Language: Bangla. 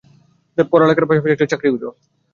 দেবা, পড়ালেখারার পাশাপাশি একটা চাকরি খুঁজো।